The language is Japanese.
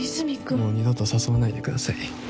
もう二度と誘わないでください